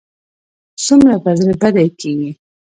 څومره به زړه بدی کېږي.